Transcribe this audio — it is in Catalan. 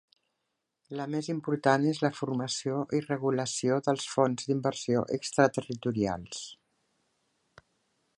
La més important és la formació i regulació dels fons d'inversió extraterritorials.